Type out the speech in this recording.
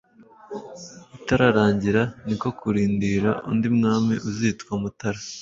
itararangira. Ni ko kurindira undi mwami uzitwa Mutara